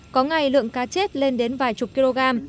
có ngày lượng cá chết lên đến vài chục kg